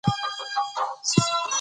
انرژي پاکه پاتې کېږي.